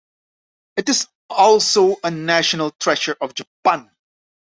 It is also a National Treasure of Japan.